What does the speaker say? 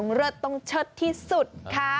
เลิศต้องเชิดที่สุดค่ะ